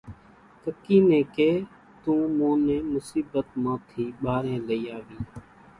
ڪڪِي نين ڪي تون مون نين مصيٻت مان ٿي ٻارين لئي آوي۔